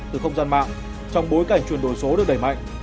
từ không gian mạng trong bối cảnh chuyển đổi số được đẩy mạnh